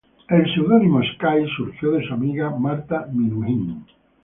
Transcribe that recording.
El pseudónimo "Skay" surgió de su amiga Marta Minujín.